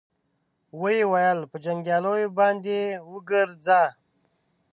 ويې ويل: په جنګياليو باندې وګرځه.